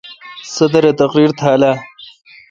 صدر اے°تقریر تھال اہ؟